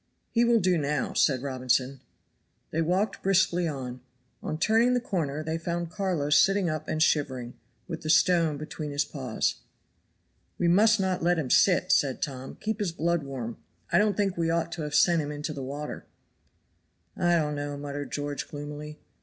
"He will do now," said Robinson. They walked briskly on. On turning the corner they found Carlo sitting up and shivering, with the stone between his paws. "We must not let him sit," said Tom; "keep his blood warm. I don't think we ought to have sent him into the water." "I don't know," muttered George, gloomily.